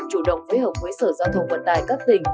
chủ động phối hợp với sở giao thông vận tải các tỉnh